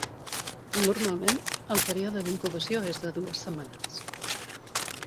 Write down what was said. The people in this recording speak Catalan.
Normalment, el període d'incubació és de dues setmanes.